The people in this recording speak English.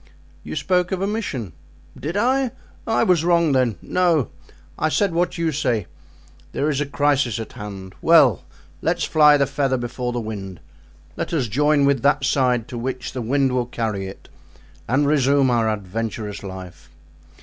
"You spoke of a mission." "Did I? I was wrong then, no, I said what you say—there is a crisis at hand. Well! let's fly the feather before the wind; let us join with that side to which the wind will carry it and resume our adventurous life.